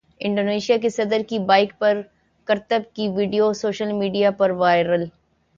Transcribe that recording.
Indonesia کے صدر کی بائیک پر کرتب کی ویڈیو سوشل میڈیا پر وائرل